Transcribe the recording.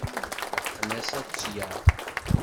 Yeqqen-as ad tt-yaɣ.